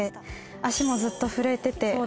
「足もずっと震えてて」